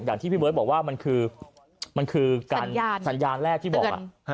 อย่างที่พี่เบิร์ตบอกว่ามันคือมันคือการสัญญาณแรกที่บอก